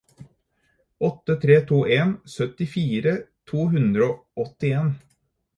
åtte tre to en syttifire to hundre og åttien